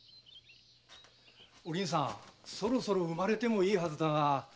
お凛さんそろそろ産まれてもいいはずだが大丈夫だろうか？